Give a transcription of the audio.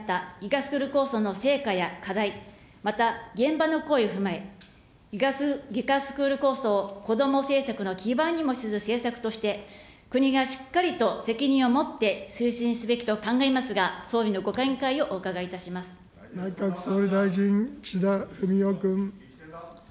スクール構想の成果や課題、また、現場の声を踏まえ、ＧＩＧＡスクール構想、こども政策の基盤にもする政策として、国がしっかりと責任を持って推進すべきと考えますが、総理のご見内閣総理大臣、岸田文雄君。